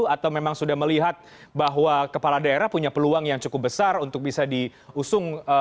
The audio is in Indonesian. atau memang sudah melihat bahwa kepala daerah punya peluang yang cukup besar untuk bisa diusung